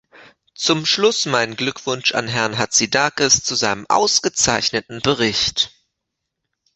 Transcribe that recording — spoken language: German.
Zum Schluss mein Glückwunsch an Herrn Hatzidakis zu seinem ausgezeichneten Bericht!